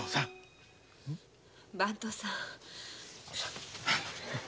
番頭さん。さ。